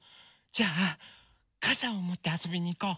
じゃあかさをもってあそびにいこう。